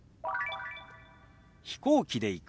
「飛行機で行く」。